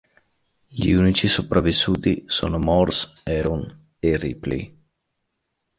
Gli unici sopravvissuti sono Morse, Aaron e Ripley.